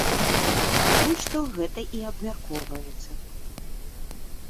Пакуль што гэта і абмяркоўваецца.